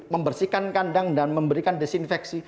membersihkan kandang dan memberikan desinfeksi